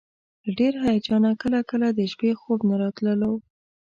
له ډېر هیجانه کله کله د شپې خوب نه راتللو.